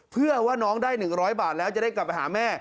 เพื่อว่าน้องได้๑๐๐บาทแล้วจะได้กลับไปหาแม่